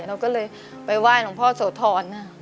เราก็เลยไปไหว้หลวงพ่อโสธร